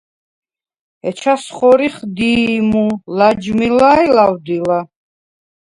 ეჩას ხორიხ: დი̄ჲმუ, ლაჯმილა ი ლავდილა.